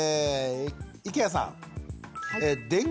池谷さん。